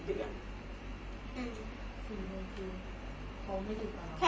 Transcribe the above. ๔เดือนคือเขาไม่อยู่กับเรา